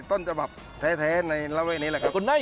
ต้นจบับแท้ในเลือดนี้เลยครับ